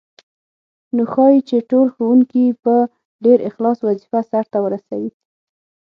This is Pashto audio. نو ښايي چې ټول ښوونکي په ډېر اخلاص وظیفه سرته ورسوي.